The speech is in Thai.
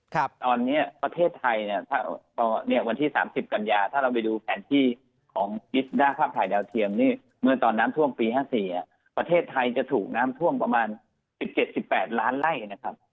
ตอนนี้ประเทศไทยเนี่ยถ้าเนี่ยวันที่๓๐กันยาถ้าเราไปดูแผนที่ของด้านภาพถ่ายดาวเทียมนี่เมื่อตอนน้ำท่วมปี๕๔ประเทศไทยจะถูกน้ำท่วมประมาณ๑๗๑๘ล้านไล่นะครับ